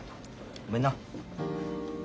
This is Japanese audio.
ごめんな。